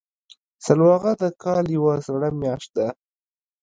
سلواغه د کال یوه سړه میاشت ده.